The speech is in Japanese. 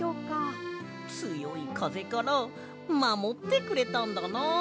つよいかぜからまもってくれたんだな。